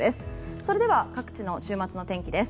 それでは各地の週末の天気です。